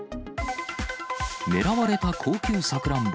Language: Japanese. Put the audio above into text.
狙われた高級サクランボ。